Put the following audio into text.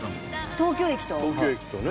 東京駅とね。